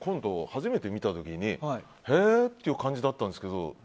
初めて見た時にへえっていう感じだったんですけど。